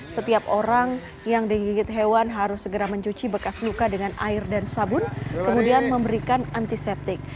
setiap orang yang digigit hewan harus segera mencuci bekas luka dengan air dan sabun kemudian memberikan antiseptik